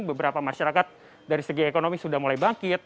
beberapa masyarakat dari segi ekonomi sudah mulai bangkit